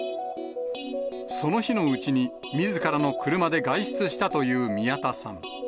その日のうちにみずからの車で外出したという宮田さん。